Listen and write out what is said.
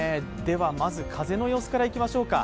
まず風の様子からいきましょうか。